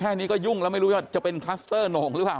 แค่นี้ก็ยุ่งแล้วไม่รู้ว่าจะเป็นคลัสเตอร์โหน่งหรือเปล่า